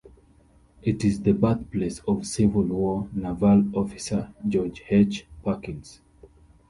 It is the birthplace of Civil War naval officer George H. Perkins.